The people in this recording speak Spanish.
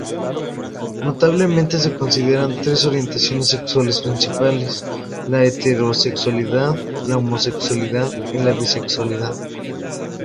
Notablemente se consideran tres orientaciones sexuales principales, la heterosexualidad, la homosexualidad y la bisexualidad.